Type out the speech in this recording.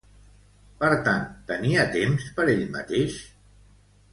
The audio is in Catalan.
Per tant, tenia temps per ell mateix?